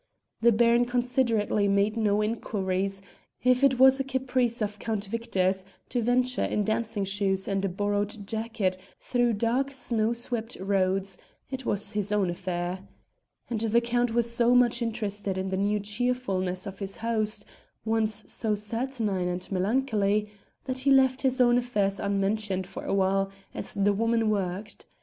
The Baron considerately made no inquiries; if it was a caprice of Count Victor's to venture in dancing shoes and a borrowed jacket through dark snow swept roads, it was his own affair. And the Count was so much interested in the new cheerfulness of his host (once so saturnine and melancholy) that he left his own affairs unmentioned for a while as the woman worked.